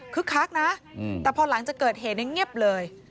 คึกคักนะแต่พอหลังจะเกิดเหตุยังเงียบเลย